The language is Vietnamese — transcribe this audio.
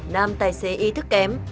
nam tài xế ý thức kém